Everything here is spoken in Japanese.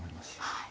はい。